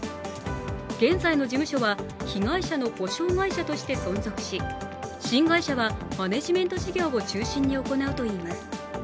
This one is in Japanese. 現在の事務所は被害者の補償会社として存続し新会社はマネジメント事業を中心に行うといいます。